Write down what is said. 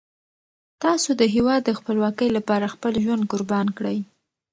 تاسو د هیواد د خپلواکۍ لپاره خپل ژوند قربان کړئ.